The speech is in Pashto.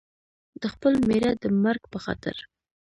د خپل مېړه د مرګ په خاطر.